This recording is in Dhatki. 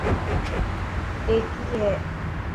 اي ڪي هي.